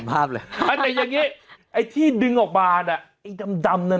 ไม่ได้เห็นภาพเลยแต่อย่างงี้ไอ้ที่ดึงออกมาด่ะไอดำดำนั่น